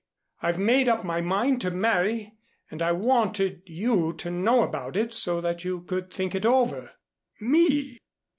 I've made up my mind to marry and I wanted you to know about it so that you could think it over." "Me!